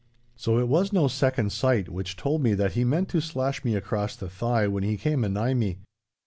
So it was no second sight which told me that he meant to slash me across the thigh when he came a nigh me.